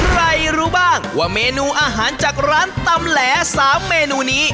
รู้บ้างว่าเมนูอาหารจากร้านตำแหล๓เมนูนี้